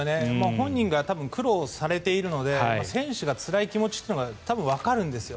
本人が苦労されているので選手がつらい気持ちが多分わかるんですよ。